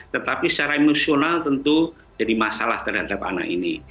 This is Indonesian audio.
tetapi secara emosional tentu jadi masalah terhadap anak ini